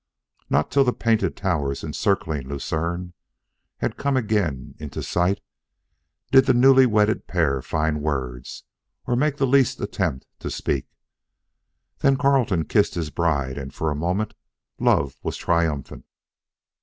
Not till the painted towers encircling Lucerne had come again into sight did the newly wedded pair find words or make the least attempt to speak. Then Carleton kissed his bride and for a moment love was triumphant.